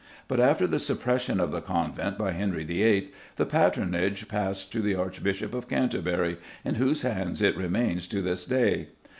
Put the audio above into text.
But after the suppression of the convent by Henry VIII. the patronage passed to the Archbishop of Canterbury, in whose hands it remains to this day.